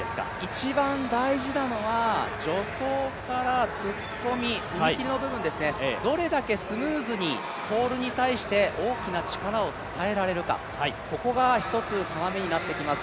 一番大事なのは、助走から突っ込み、踏み切りの部分ですね、どれだけスムーズにポールに対して大きな力を伝えられるかここが１つ、要になってきます。